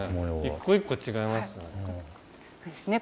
一個一個違いますね。